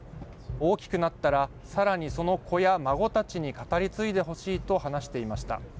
大きくなったらさらにその子や孫たちに語り継いでほしいと話していました。